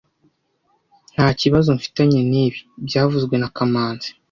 Ntakibazo mfitanye nibi byavuzwe na kamanzi